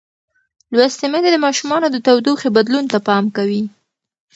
لوستې میندې د ماشومانو د تودوخې بدلون ته پام کوي.